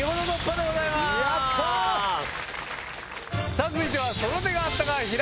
さぁ続いては。